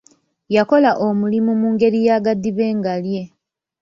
Yakola omulimu mu ngeri ya gadibengalye.